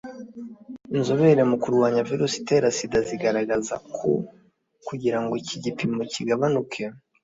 Inzobere mu kurwanya virus itera sida zikagaragaza ko kugira ngo iki gipimo kigabanuke